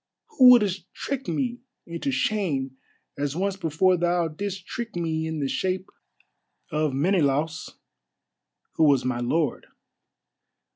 who wouldest trick me into shame as once before thou didst trick me in the shape of Menelaus, who was my lord.